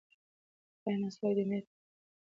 ایا مسواک د معدې د تکالیفو مخه نیسي؟